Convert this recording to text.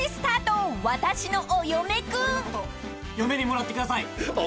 「俺のこと嫁にもらってください」